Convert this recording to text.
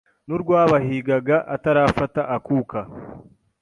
n'urwabahigaga Atarafata akuka